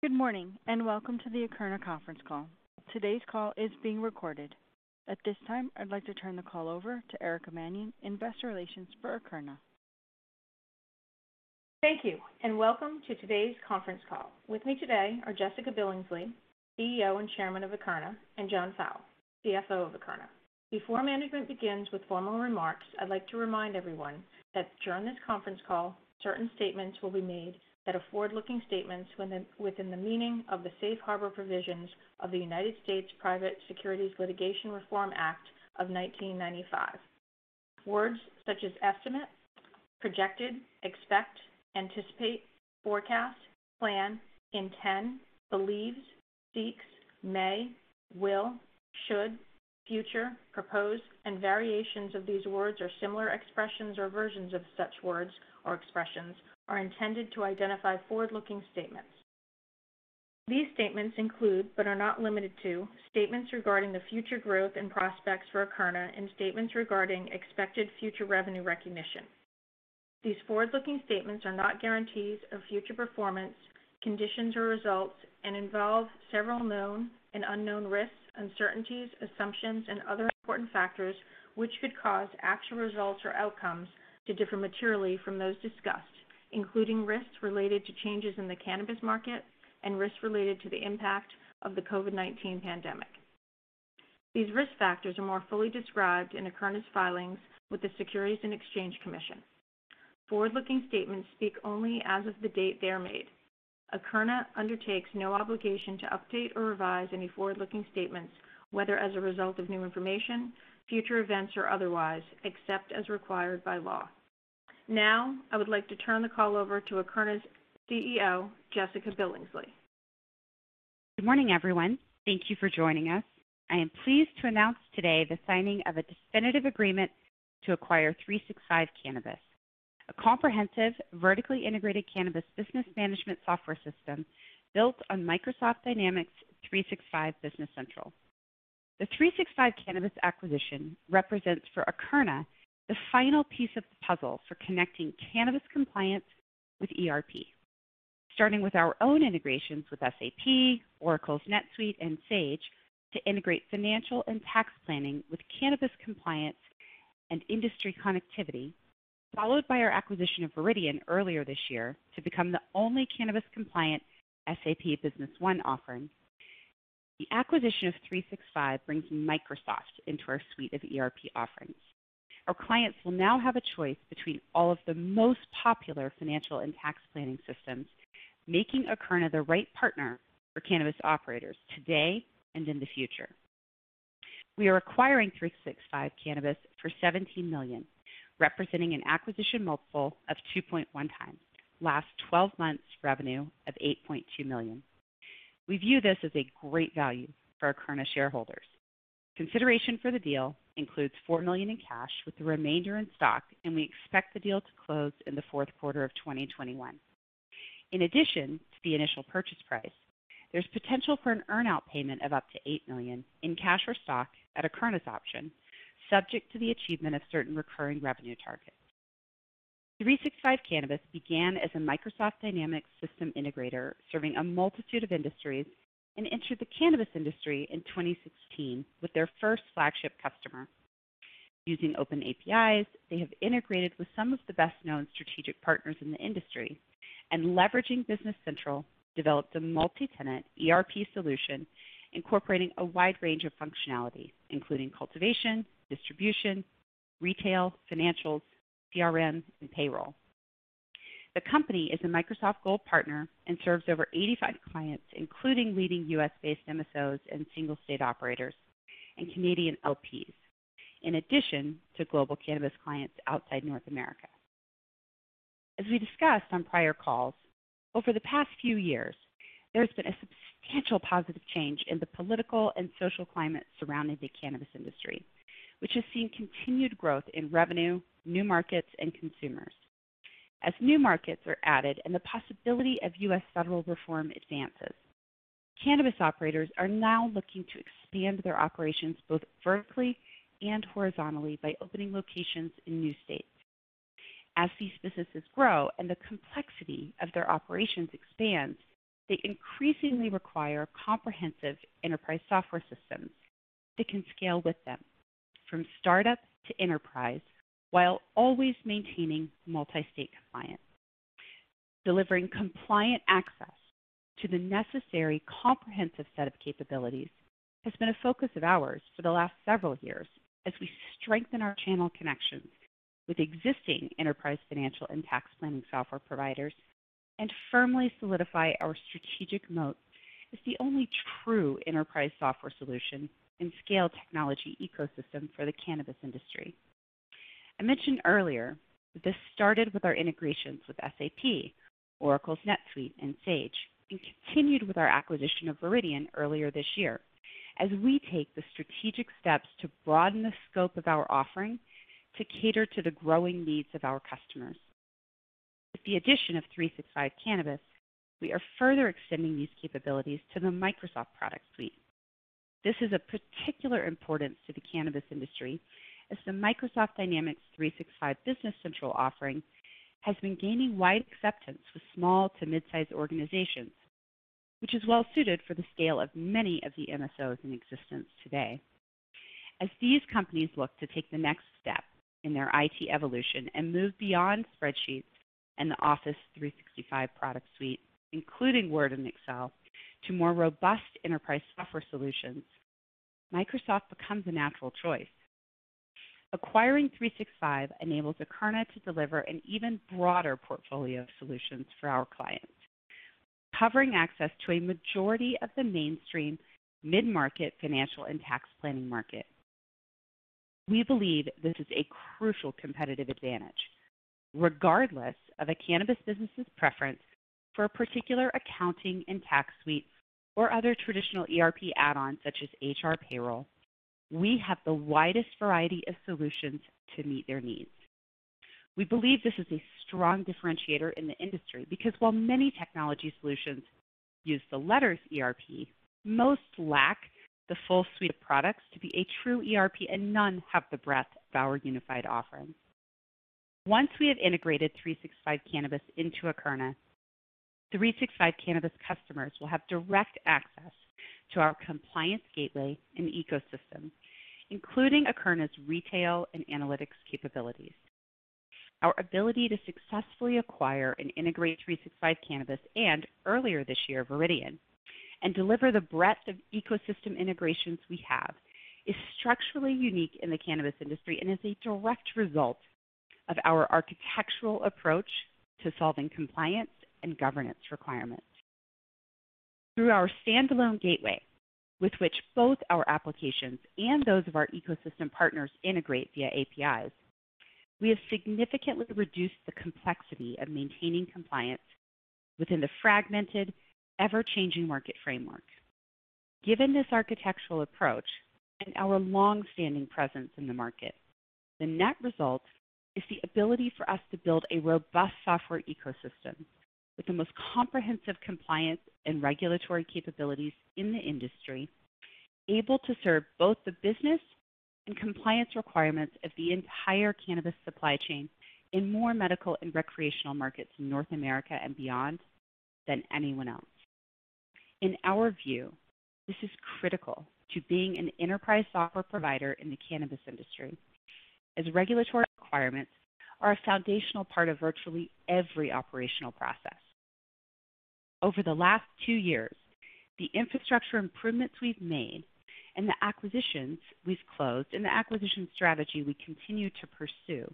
Good morning, and welcome to the Akerna conference call. Today's call is being recorded. At this time, I'd like to turn the call over to Erica Mannion, investor relations for Akerna. Thank you, and welcome to today's conference call. With me today are Jessica Billingsley, CEO and Chairman of Akerna, and John Fowle, CFO of Akerna. Before management begins with formal remarks, I'd like to remind everyone that during this conference call, certain statements will be made that are forward-looking statements within the meaning of the safe harbor provisions of the United States Private Securities Litigation Reform Act of 1995. Words such as estimate, projected, expect, anticipate, forecast, plan, intend, believes, seeks, may, will, should, future, propose, and variations of these words or similar expressions or versions of such words or expressions are intended to identify forward-looking statements. These statements include, but are not limited to, statements regarding the future growth and prospects for Akerna and statements regarding expected future revenue recognition. These forward-looking statements are not guarantees of future performance, conditions, or results, and involve several known and unknown risks, uncertainties, assumptions, and other important factors which could cause actual results or outcomes to differ materially from those discussed, including risks related to changes in the cannabis market and risks related to the impact of the COVID-19 pandemic. These risk factors are more fully described in Akerna's filings with the Securities and Exchange Commission. Forward-looking statements speak only as of the date they are made. Akerna undertakes no obligation to update or revise any forward-looking statements, whether as a result of new information, future events, or otherwise, except as required by law. Now, I would like to turn the call over to Akerna's CEO, Jessica Billingsley. Good morning, everyone. Thank you for joining us. I am pleased to announce today the signing of a definitive agreement to acquire 365 Cannabis, a comprehensive, vertically integrated cannabis business management software system built on Microsoft Dynamics 365 Business Central. The 365 Cannabis acquisition represents for Akerna the final piece of the puzzle for connecting cannabis compliance with ERP. Starting with our own integrations with SAP, Oracle's NetSuite, and Sage to integrate financial and tax planning with cannabis compliance and industry connectivity, followed by our acquisition of Viridian Sciences earlier this year to become the only cannabis-compliant SAP Business One offering. The acquisition of 365 brings Microsoft into our suite of ERP offerings. Our clients will now have a choice between all of the most popular financial and tax planning systems, making Akerna the right partner for cannabis operators today and in the future. We are acquiring 365 Cannabis for $17 million, representing an acquisition multiple of 2.1x last 12 months' revenue of $8.2 million. We view this as a great value for Akerna shareholders. Consideration for the deal includes $4 million in cash with the remainder in stock. We expect the deal to close in the fourth quarter of 2021. In addition to the initial purchase price, there's potential for an earn-out payment of up to $8 million in cash or stock at Akerna's option, subject to the achievement of certain recurring revenue targets. 365 Cannabis began as a Microsoft Dynamics system integrator serving a multitude of industries and entered the cannabis industry in 2016 with their first flagship customer. Using open APIs, they have integrated with some of the best-known strategic partners in the industry and, leveraging Business Central, developed a multi-tenant ERP solution incorporating a wide range of functionality, including cultivation, distribution, retail, financials, CRM, and payroll. The company is a Microsoft Gold Partner and serves over 85 clients, including leading U.S.-based MSOs and single-state operators and Canadian LPs, in addition to global cannabis clients outside North America. As we discussed on prior calls, over the past few years, there has been a substantial positive change in the political and social climate surrounding the cannabis industry, which has seen continued growth in revenue, new markets, and consumers. As new markets are added and the possibility of U.S. federal reform advances, cannabis operators are now looking to expand their operations both vertically and horizontally by opening locations in new states. As these businesses grow and the complexity of their operations expands, they increasingly require comprehensive enterprise software systems that can scale with them from startup to enterprise while always maintaining multi-state compliance. Delivering compliant access to the necessary comprehensive set of capabilities has been a focus of ours for the last several years as we strengthen our channel connections with existing enterprise financial and tax planning software providers and firmly solidify our strategic moat as the only true enterprise software solution and scale technology ecosystem for the cannabis industry. I mentioned earlier that this started with our integrations with SAP, Oracle's NetSuite, and Sage and continued with our acquisition of Viridian earlier this year as we take the strategic steps to broaden the scope of our offering to cater to the growing needs of our customers. With the addition of 365 Cannabis, we are further extending these capabilities to the Microsoft product suite. This is of particular importance to the cannabis industry as the Microsoft Dynamics 365 Business Central offering has been gaining wide acceptance with small to mid-size organizations, which is well-suited for the scale of many of the MSOs in existence today. As these companies look to take the next step in their IT evolution and move beyond spreadsheets and the Microsoft 365 product suite, including Word and Excel, to more robust enterprise software solutions, Microsoft becomes a natural choice. Acquiring 365 enables Akerna to deliver an even broader portfolio of solutions for our clients, covering access to a majority of the mainstream mid-market financial and tax planning market. We believe this is a crucial competitive advantage. Regardless of a cannabis business's preference for a particular accounting and tax suite or other traditional HR ERP add-ons such as payroll, we have the widest variety of solutions to meet their needs. We believe this is a strong differentiator in the industry because, while many technology solutions use the letters ERP, most lack the full suite of products to be a true ERP, and none have the breadth of our unified offering. Once we have integrated 365 Cannabis into Akerna, 365 Cannabis customers will have direct access to our Compliance Gateway and ecosystem, including Akerna's retail and analytics capabilities. Our ability to successfully acquire and integrate 365 Cannabis and, earlier this year, Viridian, and deliver the breadth of ecosystem integrations we have is structurally unique in the cannabis industry and is a direct result of our architectural approach to solving compliance and governance requirements. Through our standalone gateway, with which both our applications and those of our ecosystem partners integrate via APIs, we have significantly reduced the complexity of maintaining compliance within the fragmented, ever-changing market framework. Given this architectural approach and our long-standing presence in the market, the net result is the ability for us to build a robust software ecosystem with the most comprehensive compliance and regulatory capabilities in the industry, able to serve both the business and compliance requirements of the entire cannabis supply chain in more medical and recreational markets in North America and beyond than anyone else. In our view, this is critical to being an enterprise software provider in the cannabis industry, as regulatory requirements are a foundational part of virtually every operational process. Over the last two years, the infrastructure improvements we've made and the acquisitions we've closed and the acquisition strategy we continue to pursue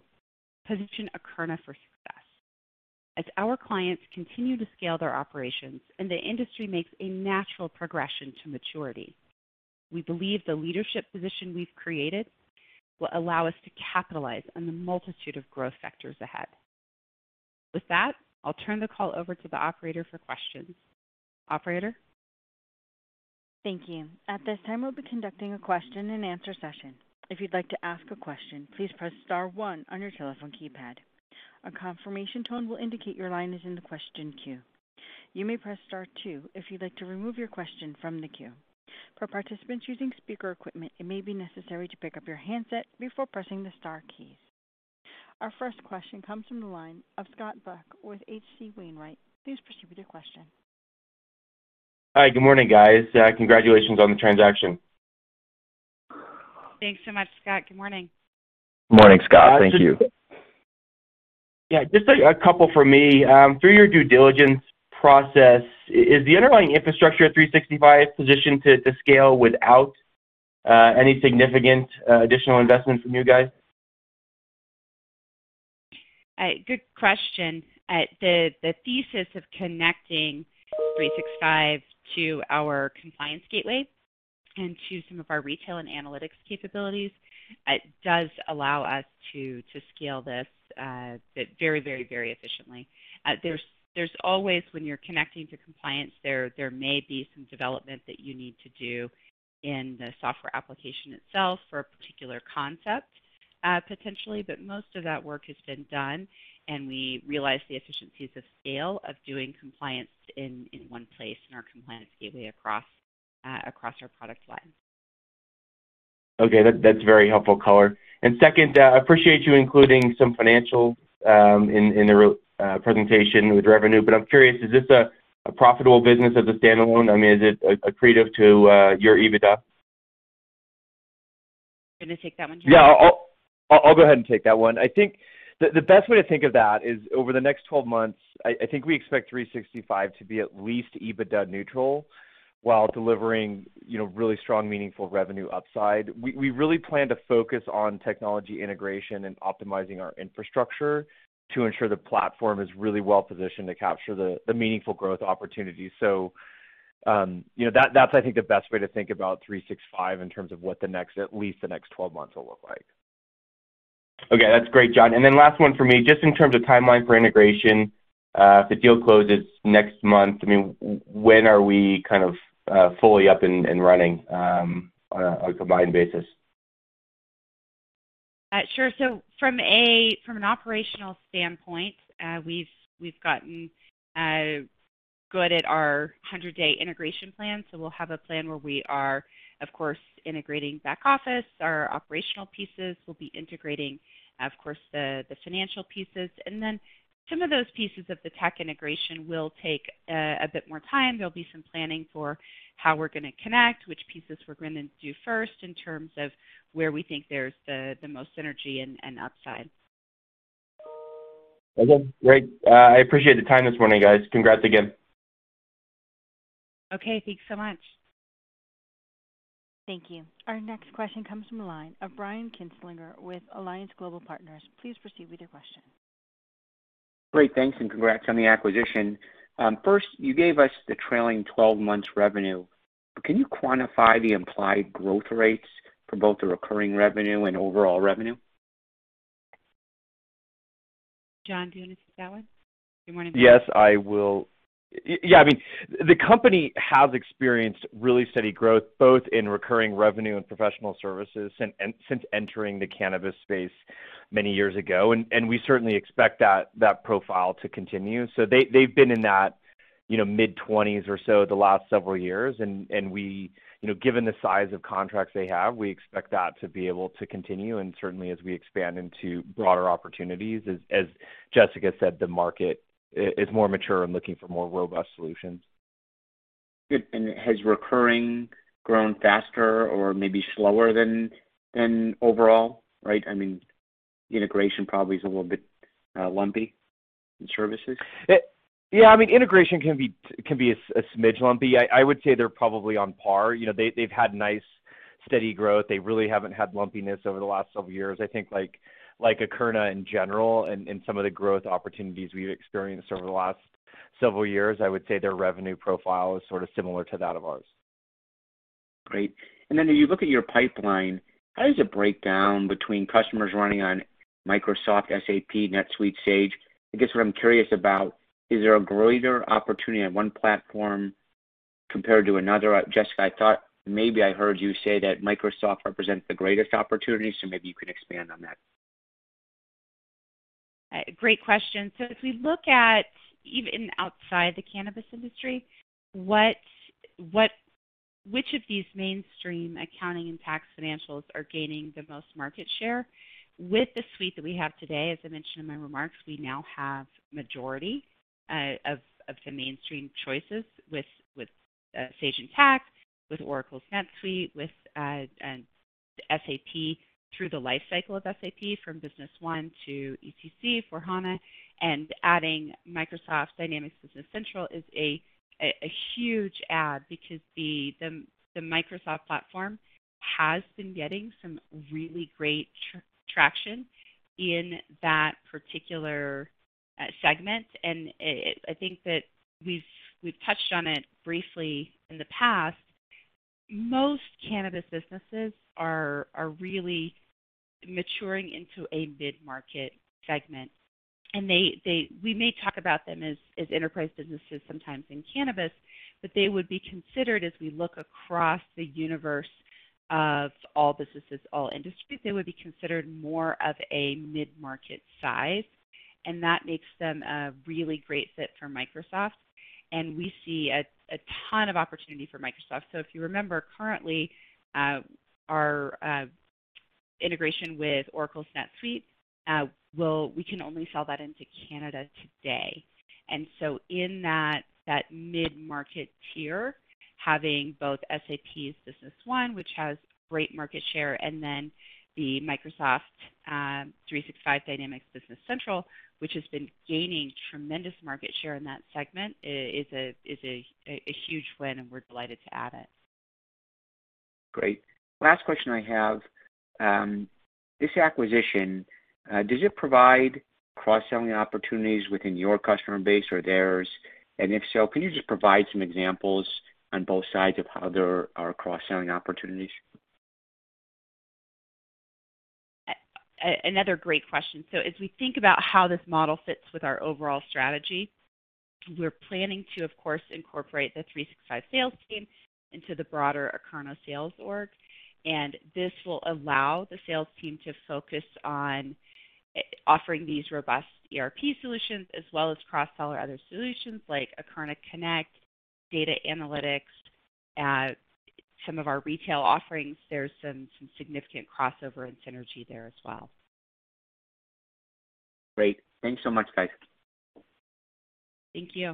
position Akerna for success. As our clients continue to scale their operations and the industry makes a natural progression to maturity, we believe the leadership position we've created will allow us to capitalize on the multitude of growth vectors ahead. With that, I'll turn the call over to the operator for questions. Operator? Thank you. At this time, we'll be conducting a question and answer session. If you'd like to ask a question, please press star 1 on your telephone keypad. A confirmation tone will indicate your line is in the question queue. You may press star 2 if you'd like to remove your question from the queue. For participants using speaker equipment, it may be necessary to pick up your handset before pressing the star keys. Our first question comes from the line of Scott Buck with H.C. Wainwright. Please proceed with your question. Hi. Good morning, guys. Congratulations on the transaction. Thanks so much, Scott. Good morning. Morning, Scott. Thank you. Yeah, just a couple from me. Through your due diligence process, is the underlying infrastructure of 365 positioned to scale without any significant additional investment from you guys? Good question. The thesis of connecting 365 to our Compliance Gateway and to some of our retail and analytics capabilities does allow us to scale this very efficiently. There's always, when you're connecting to compliance, there may be some development that you need to do in the software application itself for a particular concept, potentially, but most of that work has been done, and we realize the efficiencies of scale of doing compliance in one place in our Compliance Gateway across our product line. Okay. That's very helpful color. Second, I appreciate you including some financials in the presentation with revenue, but I'm curious, is this a profitable business as a standalone? I mean, is it accretive to your EBITDA? You want to take that one, John? Yeah, I'll go ahead and take that one. I think the best way to think of that is over the next 12 months, I think we expect 365 to be at least EBITDA neutral while delivering really strong, meaningful revenue upside. We really plan to focus on technology integration and optimizing our infrastructure to ensure the platform is really well-positioned to capture the meaningful growth opportunities. That's, I think, the best way to think about 365 in terms of what at least the next 12 months will look like. Okay. That's great, John. Last one for me, just in terms of timeline for integration. If the deal closes next month, I mean, when are we kind of fully up and running on a combined basis? Sure. From an operational standpoint, we've gotten good at our 100-day integration plan. We'll have a plan where we are, of course, integrating back office, our operational pieces. We'll be integrating, of course, the financial pieces, and then some of those pieces of the tech integration will take a bit more time. There'll be some planning for how we're going to connect, which pieces we're going to do first in terms of where we think there's the most synergy and upside. Okay, great. I appreciate the time this morning, guys. Congrats again. Okay, thanks so much. Thank you. Our next question comes from the line of Brian Kinstlinger with Alliance Global Partners. Please proceed with your question. Great. Thanks. Congrats on the acquisition. First, you gave us the trailing 12 months revenue, but can you quantify the implied growth rates for both the recurring revenue and overall revenue? John, do you want to take that one? Good morning, Brian. Yes, I will. The company has experienced really steady growth, both in recurring revenue and professional services since entering the cannabis space many years ago. We certainly expect that profile to continue. They've been in that mid-20s or so the last several years, and given the size of contracts they have, we expect that to be able to continue and certainly as we expand into broader opportunities. As Jessica said, the market is more mature and looking for more robust solutions. Good. Has recurring grown faster or maybe slower than overall? Right, I mean, integration probably is a little bit lumpy in services. Integration can be a smidge lumpy. I would say they're probably on par. They've had nice, steady growth. They really haven't had lumpiness over the last several years. I think like Akerna in general and some of the growth opportunities we've experienced over the last several years, I would say their revenue profile is sort of similar to that of ours. Great. As you look at your pipeline, how does it break down between customers running on Microsoft, SAP, NetSuite, Sage? I guess what I'm curious about, is there a greater opportunity on one platform compared to another? Jessica, I thought maybe I heard you say that Microsoft represents the greatest opportunity, maybe you could expand on that. Great question. As we look at, even outside the cannabis industry, which of these mainstream accounting and tax financials are gaining the most market share. With the suite that we have today, as I mentioned in my remarks, we now have majority of the mainstream choices with Sage Intacct, with Oracle NetSuite, with SAP through the life cycle of SAP from Business One to ECC on HANA and adding Microsoft Dynamics Business Central is a huge add because the Microsoft platform has been getting some really great traction in that particular segment, and I think that we've touched on it briefly in the past. Most cannabis businesses are really maturing into a mid-market segment. We may talk about them as enterprise businesses sometimes in cannabis, but they would be considered as we look across the universe of all businesses, all industries, they would be considered more of a mid-market size. That makes them a really great fit for Microsoft. We see a ton of opportunity for Microsoft. If you remember, currently, our integration with Oracle NetSuite, we can only sell that into Canada today. In that mid-market tier, having both SAP's Business One, which has great market share, then the Microsoft 365 Dynamics Business Central, which has been gaining tremendous market share in that segment, is a huge win. We're delighted to add it. Great. Last question I have. This acquisition, does it provide cross-selling opportunities within your customer base or theirs? If so, can you just provide some examples on both sides of how there are cross-selling opportunities? Another great question. As we think about how this model fits with our overall strategy, we're planning to, of course, incorporate the 365 sales team into the broader Akerna sales org, and this will allow the sales team to focus on offering these robust ERP solutions as well as cross-sell our other solutions like Akerna Connect, data analytics, some of our retail offerings. There's some significant crossover and synergy there as well. Great. Thanks so much, guys. Thank you.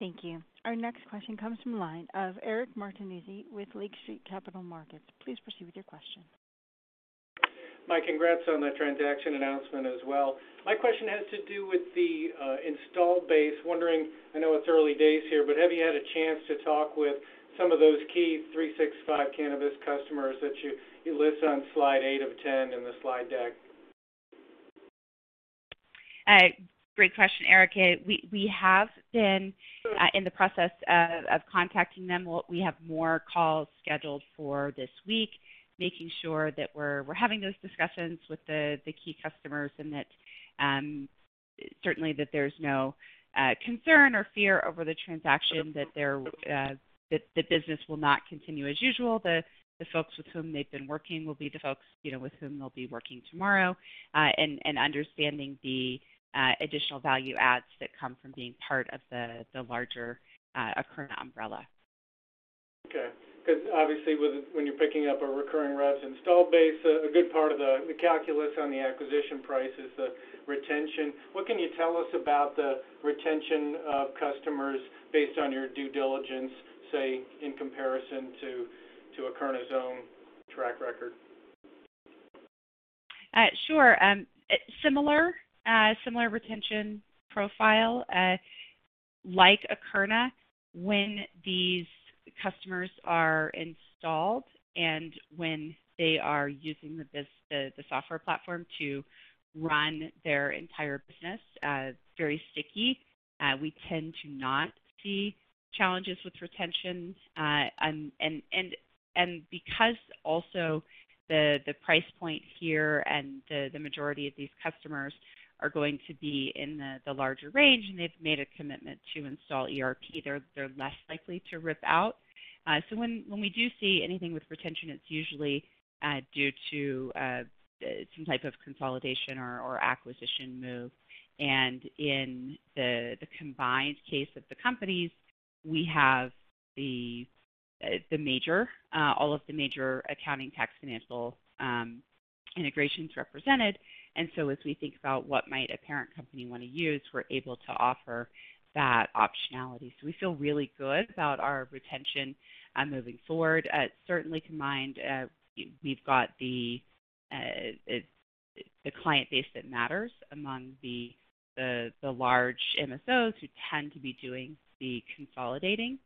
Thank you. Our next question comes from the line of Eric Martinuzzi with Lake Street Capital Markets. Please proceed with your question. Mike, congrats on the transaction announcement as well. My question has to do with the install base. Wondering, I know it's early days here, but have you had a chance to talk with some of those key 365 Cannabis customers that you list on slide eight of 10 in the slide deck? Great question, Eric. We have been in the process of contacting them. We have more calls scheduled for this week, making sure that we're having those discussions with the key customers and that certainly there's no concern or fear over the transaction, that the business will not continue as usual. The folks with whom they've been working will be the folks with whom they'll be working tomorrow, and understanding the additional value adds that come from being part of the larger Akerna umbrella. Okay. Because obviously when you're picking up a recurring revs installed base, a good part of the calculus on the acquisition price is the retention. What can you tell us about the retention of customers based on your due diligence, say, in comparison to Akerna's own track record? Sure. Similar retention profile. Like Akerna, when these customers are installed and when they are using the software platform to run their entire business, it's very sticky. We tend to not see challenges with retention. Because also the price point here and the majority of these customers are going to be in the larger range, and they've made a commitment to install ERP, they're less likely to rip out. When we do see anything with retention, it's usually due to some type of consolidation or acquisition move. In the combined case of the companies, we have all of the major accounting tax financial integrations represented. As we think about what might a parent company want to use, we're able to offer that optionality. We feel really good about our retention moving forward. Certainly combined, we've got the client base that matters among the large MSOs who tend to be doing the consolidating.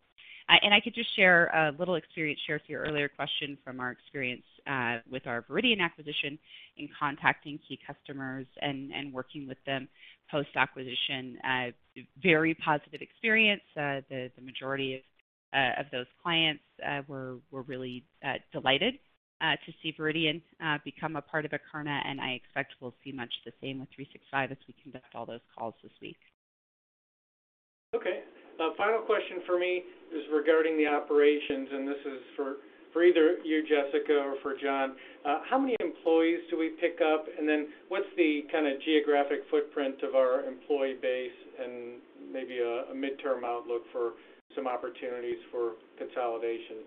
I could just share a little experience, share to your earlier question from our experience with our Viridian acquisition in contacting key customers and working with them post-acquisition. Very positive experience. The majority of those clients were really delighted to see Viridian become a part of Akerna, and I expect we'll see much the same with 365 as we conduct all those calls this week. Okay. Final question for me is regarding the operations, and this is for either you, Jessica, or for John. How many employees do we pick up, and then what's the kind of geographic footprint of our employee base and maybe a midterm outlook for some opportunities for consolidation?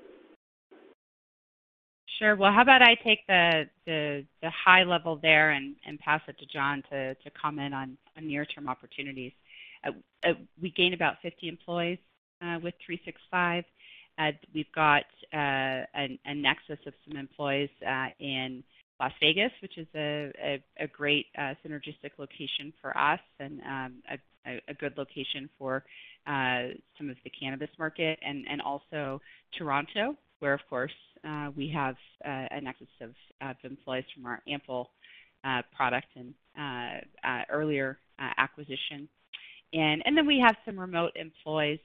Well, how about I take the high level there and pass it to John to comment on near-term opportunities. We gain about 50 employees with 365. We've got a nexus of some employees in Las Vegas, which is a great synergistic location for us and a good location for some of the cannabis market, and also Toronto, where, of course, we have a nexus of some employees from our Ample Organics and earlier acquisition. We have some remote employees.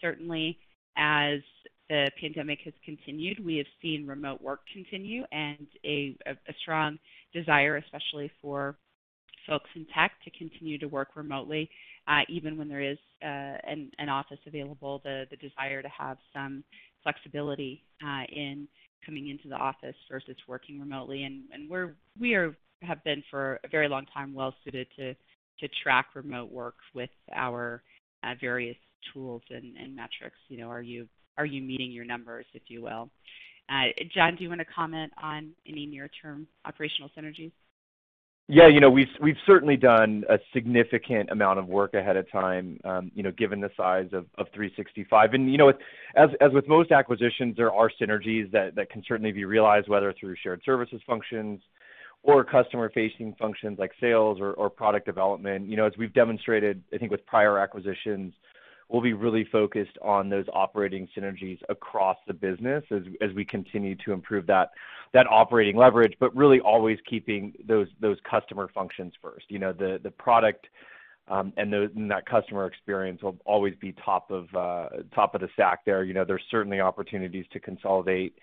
Certainly as the pandemic has continued, we have seen remote work continue and a strong desire, especially for folks in tech, to continue to work remotely even when there is an office available, the desire to have some flexibility in coming into the office versus working remotely. We have been for a very long time well-suited to track remote work with our various tools and metrics. Are you meeting your numbers, if you will? John, do you want to comment on any near-term operational synergies? Yeah, we've certainly done a significant amount of work ahead of time given the size of 365. As with most acquisitions, there are synergies that can certainly be realized, whether through shared services functions or customer-facing functions like sales or product development. As we've demonstrated, I think, with prior acquisitions, we'll be really focused on those operating synergies across the business as we continue to improve that operating leverage, but really always keeping those customer functions first. The product and that customer experience will always be top of the stack there. There's certainly opportunities to consolidate,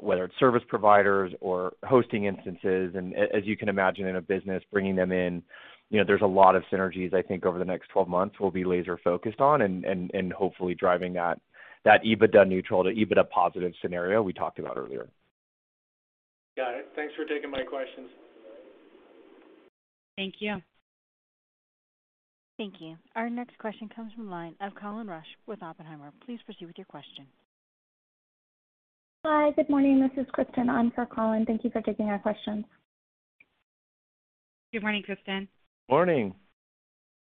whether it's service providers or hosting instances. As you can imagine in a business, bringing them in, there's a lot of synergies I think over the next 12 months we'll be laser focused on and hopefully driving that EBITDA neutral to EBITDA positive scenario we talked about earlier. Got it. Thanks for taking my questions. Thank you. Thank you. Our next question comes from the line of Colin Rusch with Oppenheimer. Please proceed with your question. Hi. Good morning. This is Kristen on for Colin. Thank you for taking our questions. Good morning, Kristen. Morning.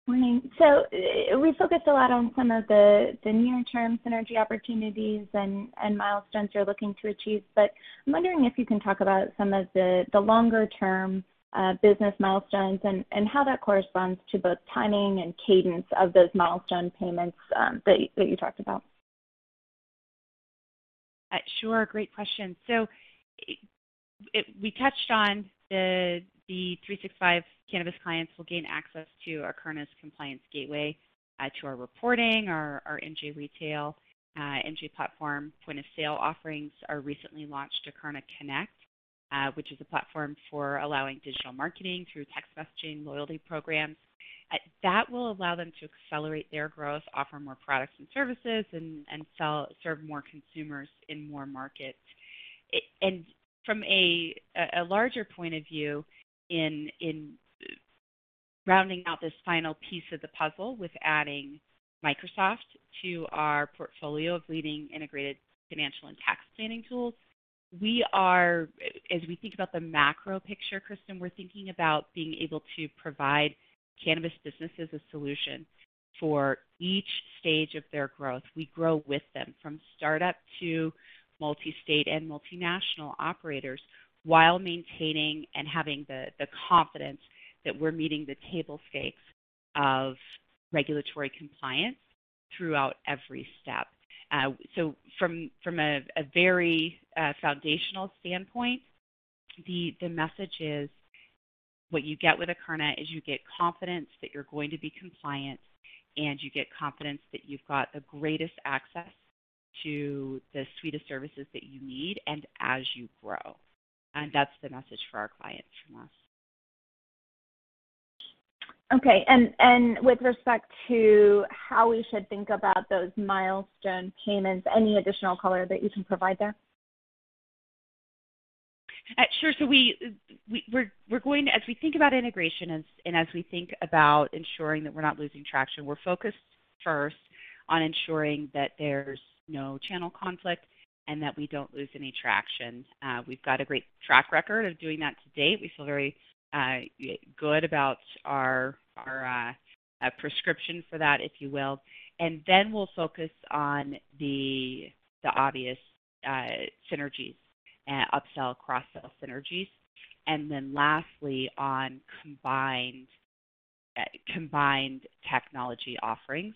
Morning. We focused a lot on some of the near-term synergy opportunities and milestones you're looking to achieve. I'm wondering if you can talk about some of the longer-term business milestones and how that corresponds to both timing and cadence of those milestone payments that you talked about. Sure. Great question. We touched on the 365 Cannabis clients will gain access to Akerna's Compliance Gateway to our reporting, our MJ Retail, MJ Platform point of sale offerings, our recently launched Akerna Connect, which is a platform for allowing digital marketing through text messaging loyalty programs. That will allow them to accelerate their growth, offer more products and services, and serve more consumers in more markets. From a larger point of view, in rounding out this final piece of the puzzle with adding Microsoft to our portfolio of leading integrated financial and tax planning tools, as we think about the macro picture, Kristen, we're thinking about being able to provide cannabis businesses a solution for each stage of their growth. We grow with them, from startup to multi-state and multinational operators, while maintaining and having the confidence that we're meeting the table stakes of regulatory compliance throughout every step. From a very foundational standpoint, the message is what you get with Akerna is you get confidence that you're going to be compliant, and you get confidence that you've got the greatest access to the suite of services that you need and as you grow. That's the message for our clients from us. Okay. With respect to how we should think about those milestone payments, any additional color that you can provide there? Sure. As we think about integration and as we think about ensuring that we're not losing traction, we're focused first on ensuring that there's no channel conflict and that we don't lose any traction. We've got a great track record of doing that to date. We feel very good about our prescription for that, if you will. We'll focus on the obvious synergies, upsell, cross-sell synergies. Lastly, on combined technology offerings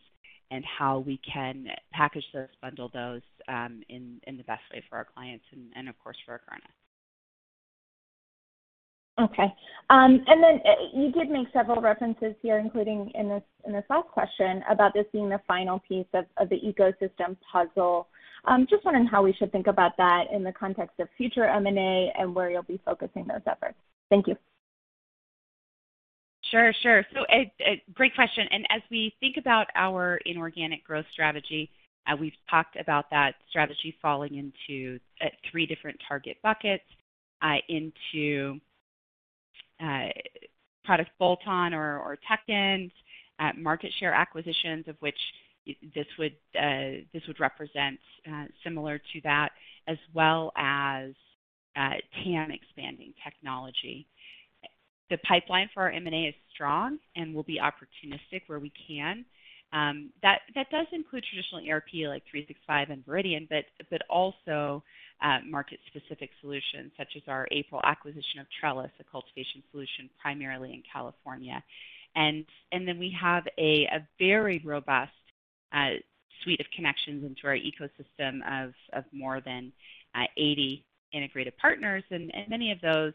and how we can package those, bundle those in the best way for our clients and of course, for Akerna. Okay. You did make several references here, including in this last question, about this being the final piece of the ecosystem puzzle. Just wondering how we should think about that in the context of future M&A and where you'll be focusing those efforts. Thank you. Sure. Great question, and as we think about our inorganic growth strategy, we've talked about that strategy falling into three different target buckets, into product bolt-on or tech ins, market share acquisitions, of which this would represent similar to that, as well as TAM-expanding technology. The pipeline for our M&A is strong and will be opportunistic where we can. That does include traditional ERP like 365 and Viridian, but also market-specific solutions such as our April acquisition of Trellis, a cultivation solution primarily in California. Then we have a very robust suite of connections into our ecosystem of more than 80 integrated partners, and many of those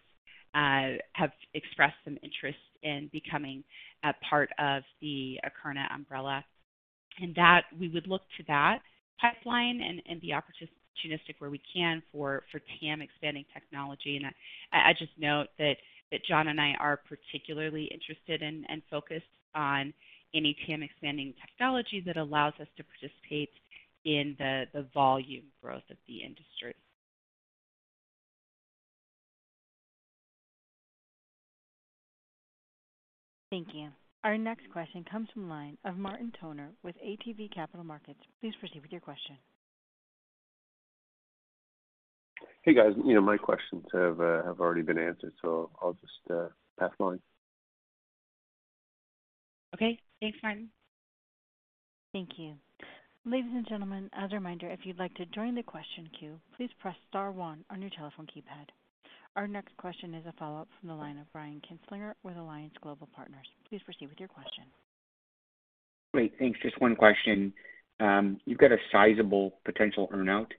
have expressed some interest in becoming a part of the Akerna umbrella. We would look to that pipeline and be opportunistic where we can for TAM-expanding technology. I just note that John and I are particularly interested in and focused on any TAM-expanding technology that allows us to participate in the volume growth of the industry. Thank you. Our next question comes from the line of Martin Toner with ATB Capital Markets. Please proceed with your question. Hey, guys. My questions have already been answered, so I'll just pass the line. Okay. Thanks, Martin. Thank you. Ladies and gentlemen, as a reminder, if you'd like to join the question queue, please press star one on your telephone keypad. Our next question is a follow-up from the line of Brian Kinstlinger with Alliance Global Partners. Please proceed with your question. Great. Thanks. Just one question. You've got a sizable potential earn-out.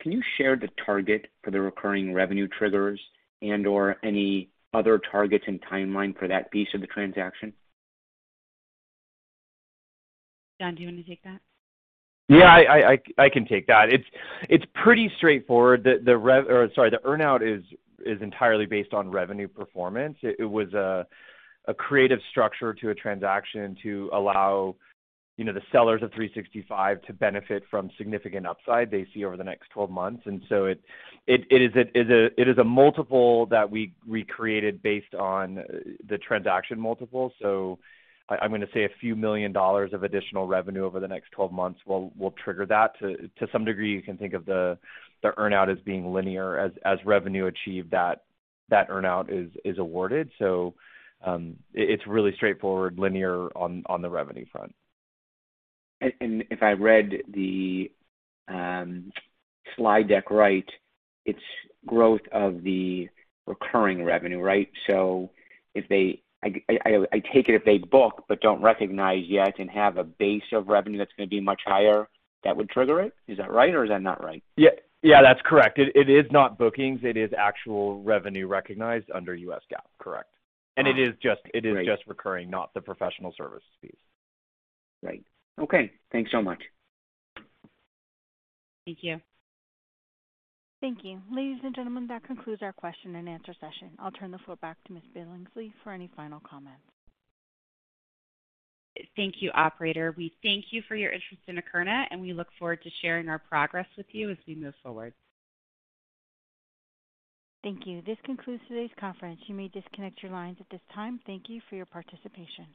Can you share the target for the recurring revenue triggers and/or any other targets and timeline for that piece of the transaction? John, do you want to take that? I can take that. It's pretty straightforward. The earn-out is entirely based on revenue performance. It was a creative structure to a transaction to allow the sellers of 365 to benefit from significant upside they see over the next 12 months. It is a multiple that we created based on the transaction multiple. I'm going to say a few million dollars of additional revenue over the next 12 months will trigger that. To some degree, you can think of the earn-out as being linear. As revenue achieved, that earn-out is awarded. It's really straightforward, linear on the revenue front. If I read the slide deck right, it's growth of the recurring revenue, right? I take it if they book but don't recognize yet and have a base of revenue that's going to be much higher, that would trigger it. Is that right, or is that not right? Yeah, that's correct. It is not bookings. It is actual revenue recognized under US GAAP, correct. It is just. Great Recurring, not the professional service piece. Right. Okay, thanks so much. Thank you. Thank you. Ladies and gentlemen, that concludes our question and answer session. I'll turn the floor back to Ms. Billingsley for any final comments. Thank you, operator. We thank you for your interest in Akerna, and we look forward to sharing our progress with you as we move forward. Thank you. This concludes today's conference. You may disconnect your lines at this time. Thank you for your participation.